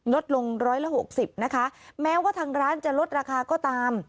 ลดลงร้อยละหกสิบนะคะแม้ว่าทางร้านจะลดราคาก็ตาม